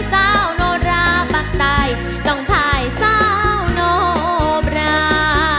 เศร้าโนราปักใต้ต้องพายเศร้าโนบรา